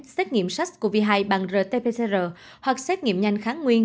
xét nghiệm sars cov hai bằng rt pcr hoặc xét nghiệm nhanh kháng nguyên